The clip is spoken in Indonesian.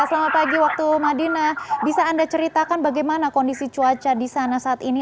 selamat pagi waktu madinah bisa anda ceritakan bagaimana kondisi cuaca di sana saat ini